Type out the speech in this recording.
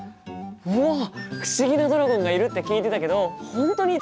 うわっ不思議なドラゴンがいるって聞いてたけど本当にいたんだ！